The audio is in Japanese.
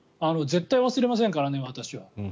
絶対に忘れませんからね、私は。